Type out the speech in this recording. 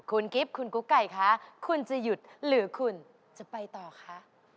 คุณกิฟต์คุณกุ๊กไก่คะคุณจะหยุดหรือคุณจะไปต่อคะ